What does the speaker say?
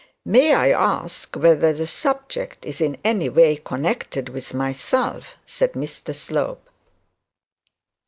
'May I ask whether the subject is in any way connected with myself?' said Mr Slope.